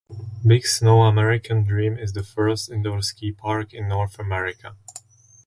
Big Snow American Dream is the first indoor ski park in North America.